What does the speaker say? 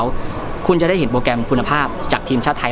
แล้วคุณจะได้เห็นโปรแกรมคุณภาพจากทีมชาติไทย